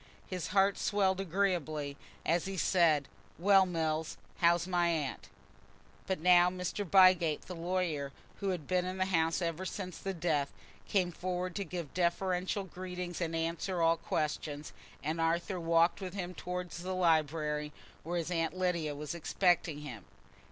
His heart swelled agreeably as he said, "Well, Mills, how is my aunt?" But now Mr. Bygate, the lawyer, who had been in the house ever since the death, came forward to give deferential greetings and answer all questions, and Arthur walked with him towards the library, where his Aunt Lydia was expecting him.